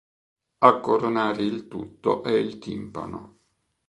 A coronare il tutto è il timpano.